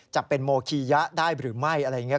จะเป็นโมคียะได้หรือไม่อะไรอย่างนี้